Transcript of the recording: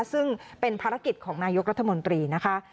ซึ่งเป็นภารกิจของนายกรัฐมนตรีนะคะ